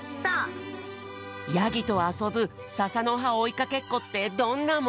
ヤギとあそぶささのはおいかけっこってどんなものなのか